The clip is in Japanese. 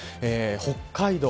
北海道